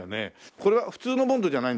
これは普通のボンドじゃないんでしょ？